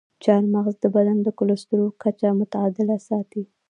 چارمغز د بدن د کلسترول کچه متعادله ساتي.